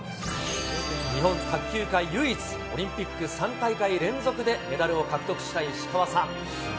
日本卓球界唯一、オリンピック３大会連続でメダルを獲得した石川さん。